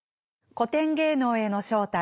「古典芸能への招待」